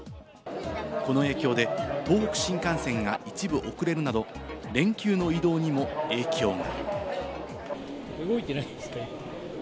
この影響で東北新幹線が一部遅れるなど、連休の移動にも影響が。